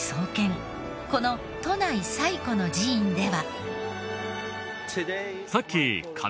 この都内最古の寺院では。